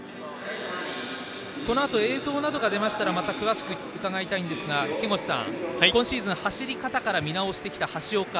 このあと映像などが出ましたらまた詳しく伺いたいんですが木越さん、今シーズン走り方から見直してきた橋岡。